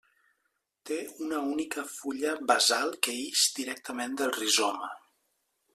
Té una única fulla basal que ix directament del rizoma.